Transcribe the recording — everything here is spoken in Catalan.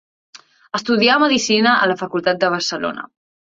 Estudià medicina a la Facultat de Barcelona.